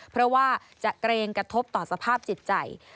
เพราะว่าจะเกรงกระทบต่อสภาพจิตใจ